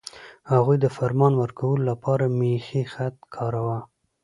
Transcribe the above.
هغوی د فرمان ورکولو لپاره میخي خط کاراوه.